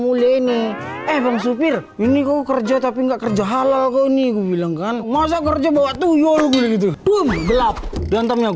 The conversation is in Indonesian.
mulia ini eh bang supir ini kau kerja tapi nggak kerja halal kau nih gua bilangkan masa kerja